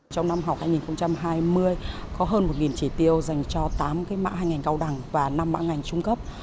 trong năm học hai nghìn hai mươi có hơn một chỉ tiêu dành cho tám mạng hai ngành cao đẳng và năm mạng ngành trung cấp